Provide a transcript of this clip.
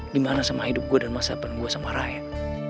gimana sama hidup gue dan masyarakat gue sama rayan